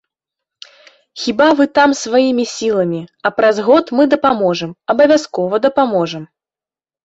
Хіба вы там сваімі сіламі, а праз год мы дапаможам, абавязкова дапаможам!